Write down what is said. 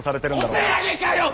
お手上げかよッ！